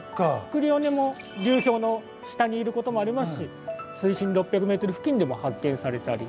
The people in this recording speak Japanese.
クリオネも流氷の下にいることもありますし水深６００ｍ付近でも発見されたり。